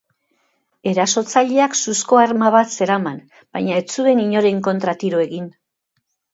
Erasotzaileak suzko arma bat zeraman, baina ez zuen inoren kontra tiro egin.